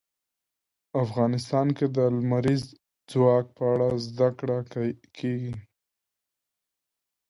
افغانستان کې د لمریز ځواک په اړه زده کړه کېږي.